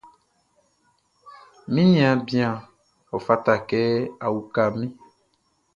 Mi niaan bian, ɔ fata kɛ a uka min.